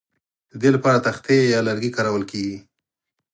د دې لپاره تختې یا لرګي کارول کیږي